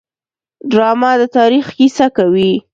ډرامه د تاریخ کیسه کوي